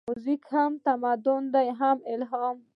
موزیک هم تمرین دی، هم الهام.